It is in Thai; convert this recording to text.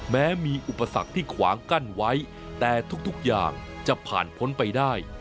แม้มีอุปสรรคที่ขวางกั้นไว้แต่ทุกอย่างจะผ่านพ้นไปได้